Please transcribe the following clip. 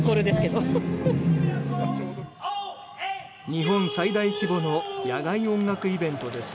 日本最大規模の野外音楽イベントです。